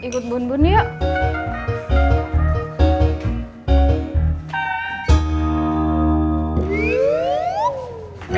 ikut bun bun yuk